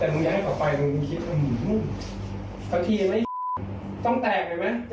มึงรับประชาบได้บ้าง